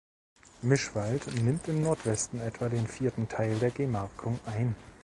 Mischwald nimmt im Nordwesten etwa den vierten Teil der Gemarkung ein.